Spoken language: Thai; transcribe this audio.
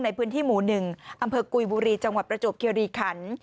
ในพื้นที่หมูหนึ่งอำเภอกุยบุรีจังหวัดประจบเกียวรีขันธ์